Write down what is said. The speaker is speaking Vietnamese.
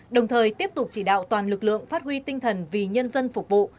đồng thời tiếp tục chỉ đạo toàn lực lượng phát huy tinh thần vì nhân dân phục vụ